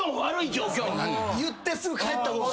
言ってすぐ帰った方が。